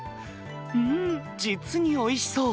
うーん、実においしそう。